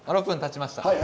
６分たちました。